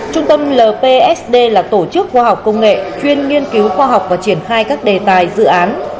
trung tâm lpsd là tổ chức khoa học công nghệ chuyên nghiên cứu khoa học và triển khai các đề tài dự án